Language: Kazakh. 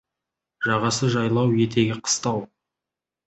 Жағасы — жайлау, етегі — қыстау.